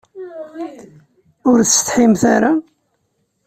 Ur tsetḥimt ara?